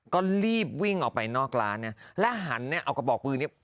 ก็รีบวิ่งออกไปนอกร้านนะแล้วหันเนี่ยเอากระบอกปืนนี้